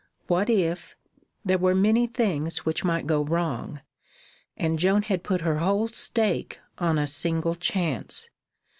What if there were many things which might go wrong, and Joan had put her whole stake on a single chance.